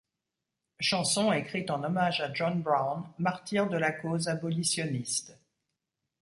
Chanson écrite en hommage à John Brown, martyr de la cause abolitionniste.